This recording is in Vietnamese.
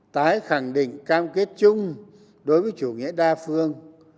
tái khẳng định cam kết chung đối với chủ nghĩa đa phương